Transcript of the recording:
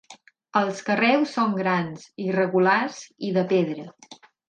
Els carreus són grans, irregulars i de pedra.